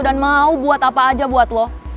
dan mau buat apa aja buat lo